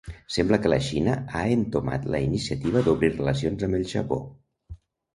Sembla que la Xina ha entomat la iniciativa d'obrir relacions amb el Japó.